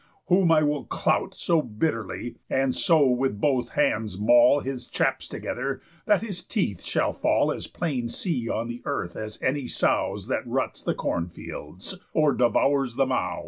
Whom I will clout So bitterly, and so with both hands mall His chaps together, that his teeth shall fall As plain seen on the earth as any sow's, That ruts the corn fields, or devours the mows.